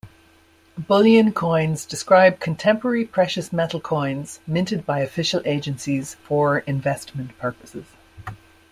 Bullion coins describe contemporary precious metal coins minted by official agencies for investment purposes.